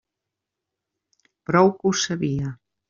Prou que ho sabia.